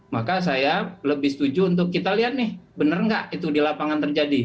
maka saya lebih setuju untuk kita lihat nih benar nggak itu di lapangan terjadi